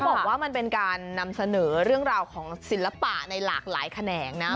บอกว่ามันเป็นการนำเสนอเรื่องราวของศิลปะในหลากหลายแขนงนะ